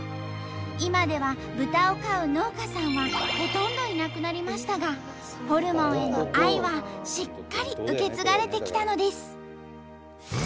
今では豚を飼う農家さんはほとんどいなくなりましたがホルモンへの愛はしっかり受け継がれてきたのです。